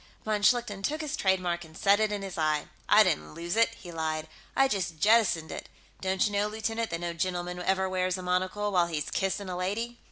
Von Schlichten took his trademark and set it in his eye. "I didn't lose it," he lied. "I just jettisoned it. Don't you know, lieutenant, that no gentleman ever wears a monocle while he's kissing a lady?"